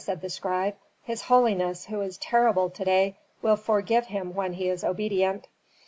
said the scribe. "His holiness, who is terrible to day, will forgive him when he is obedient."